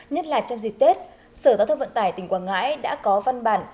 nhất là trong dịp tết sở giao thông vận tải tỉnh quảng ngãi đã có văn bản